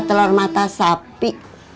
jadi orang harus berani